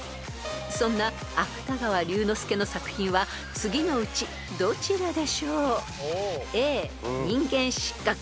［そんな芥川龍之介の作品は次のうちどちらでしょう？］